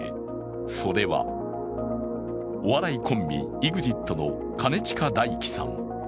それはお笑いコンビＥＸＩＴの兼近大樹さん。